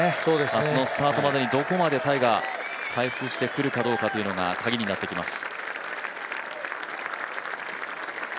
明日のスタートまでにどこまでタイガー、回復してくるかどうかがカギになってきます。